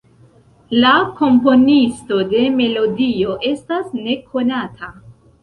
La komponisto de melodio estas nekonata.